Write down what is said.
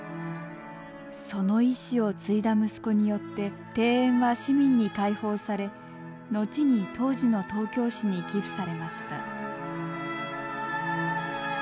その遺志を継いだ息子によって庭園は市民に開放され後に当時の東京市に寄付されました。